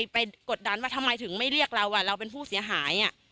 กดดันว่าทำไมถึงไม่เรียกเราเราเป็นผู้เสียหาย